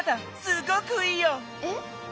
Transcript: すごくいいよ！え？